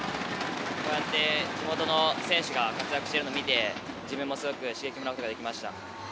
こうやって地元の選手が活躍しているのを見て自分もすごく刺激を受けることができました。